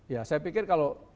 ya saya pikir kalau